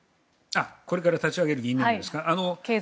これから立ち上げる議員連盟ですか？